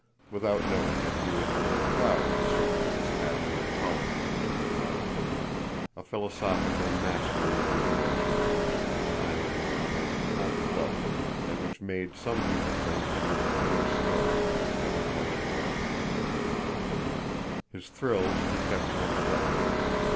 Without knowing it, he was a little proud of a certain dispassionate tolerance which he possessed—a philosophical mastery of his emotions which at times was almost cold blooded, and which made some people think he was a thing of stone instead of flesh and blood. His thrills he kept to himself.